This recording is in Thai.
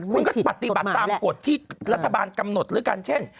คุณก็ปฏิบัติตามกฎที่รัฐบาลกำหนดแล้วกันเช่น